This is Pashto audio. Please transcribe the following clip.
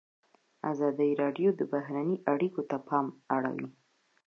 ازادي راډیو د بهرنۍ اړیکې ته پام اړولی.